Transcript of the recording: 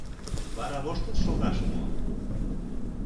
Вара воштыл шогаш мо?